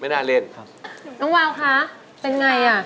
ไม่น่าเล่นค่ะน้องวาวคะเป็นอย่างไร